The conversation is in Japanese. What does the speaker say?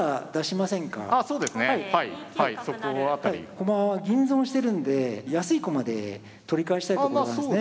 駒は銀損してるんで安い駒で取り返したいところなんですね。